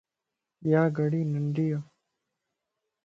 يا گھڙي ننڍيءَ